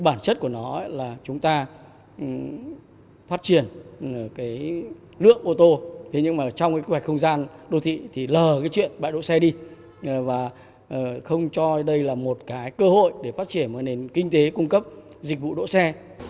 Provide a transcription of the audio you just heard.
bản chất của nó là chúng ta phát triển lượng ô tô nhưng trong không gian đô thị thì lờ chuyện bãi đậu xe đi và không cho đây là một cơ hội để phát triển nền kinh tế cung cấp dịch vụ đỗ xe